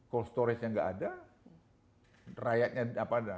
cold storage yang tidak ada